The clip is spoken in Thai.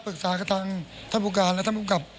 ปรึกษากับทางท่านผู้การและท่านผู้กับ